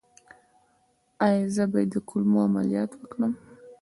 ایا زه باید د کولمو عملیات وکړم؟